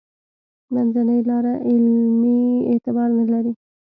منځنۍ لاره علمي اعتبار نه لري.